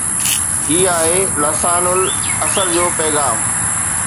هي آهي ”لسان العصر“ جو پيغام